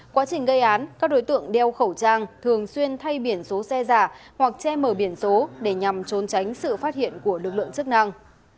quá trình gây án các đối tượng đeo khẩu trang thường xuyên thay biển số xe giả hoặc che mở biển số để nhằm trốn tránh sự phát hiện của lực lượng chức năng